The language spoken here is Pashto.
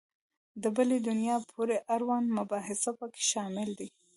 د بلي دنیا پورې اړوند مباحث په کې شامل دي.